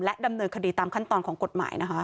ดำเนินคดีตามขั้นตอนของกฎหมายนะคะ